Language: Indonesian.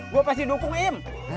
gue pasti dukung im